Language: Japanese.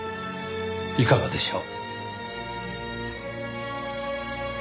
いかがでしょう？